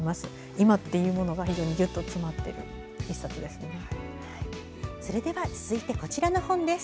今っていうものがぎゅっと詰まっている１冊です。